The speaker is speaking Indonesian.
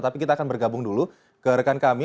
tapi kita akan bergabung dulu ke rekan kami